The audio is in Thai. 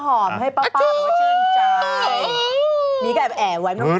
อ้ะชื่นป้าป้าเป็นว่าเชื่อญใจไม่ได้แก้วแหมวะน้องตัว